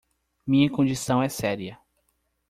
Minha condição é séria.